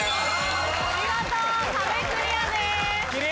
見事壁クリアです。